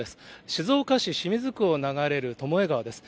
静岡市清水区を流れる巴川です。